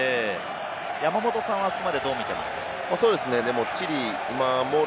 山本さんは、ここまでどう見てますか？